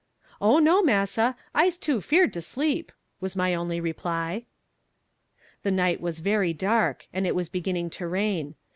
"Oh no, Massa, I'se too feerd to sleep," was my only reply. The night was very dark, and it was beginning to rain.